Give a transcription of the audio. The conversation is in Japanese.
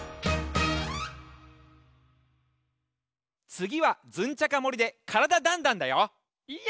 つぎはズンチャカもりで「からだ☆ダンダン」だよ！